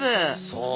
そう。